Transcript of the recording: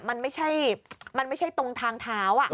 มันไม่ใช่มันไม่ใช่ตรงทางเท้า